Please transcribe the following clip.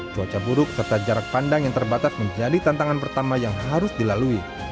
cuaca buruk serta jarak pandang yang terbatas menjadi tantangan pertama yang harus dilalui